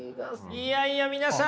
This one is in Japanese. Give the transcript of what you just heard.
いやいや皆さん